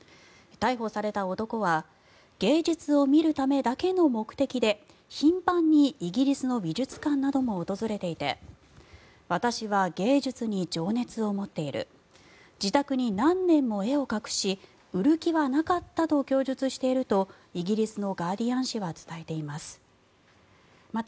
逮捕された男は芸術を見るためだけの目的で頻繁にイギリスの美術館なども訪れていて私は芸術に情熱を持っている自宅に何年も絵を隠し売る気はなかったと供述しているとイギリスのガーディアン紙は報じています。